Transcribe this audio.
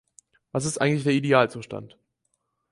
Was ist eigentlich der Idealzustand?